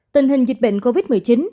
tình hình dịch bệnh covid một mươi chín